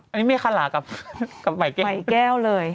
อันนี้ไม่คันหลากับไหมแก้วเลย